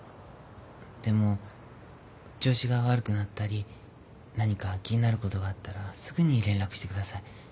でも調子が悪くなったり何か気になることがあったらすぐに連絡してください。